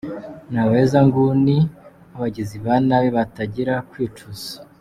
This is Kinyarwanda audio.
Ni Abahezanguni b’ababagizi banabi batagira kwicuza.”